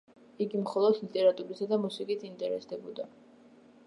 იგი მხოლოდ ლიტერატურითა და მუსიკით ინტერესდებოდა.